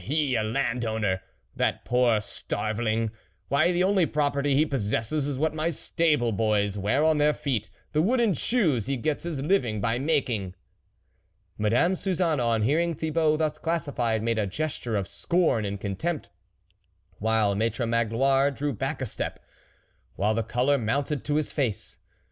He ! a landowner ! that poor starveling ! why, the only pro perty he possesses is what my stable boys wear on their feet the wooden shoes he gets his living by making." Madame Suzanne, on hearing Thibault thus classified, made a gesture of scorn and contempt, while Maitre Magloire drew back a step, while the colour mounted to his face.